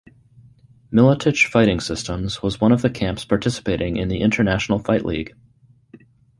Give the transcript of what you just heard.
Miletich Fighting Systems was one of the camps participating in the International Fight League.